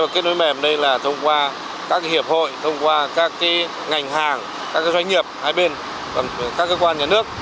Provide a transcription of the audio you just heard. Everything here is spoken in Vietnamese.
kết nối mềm đây là thông qua các hiệp hội thông qua các ngành hàng các doanh nghiệp hai bên các cơ quan nhà nước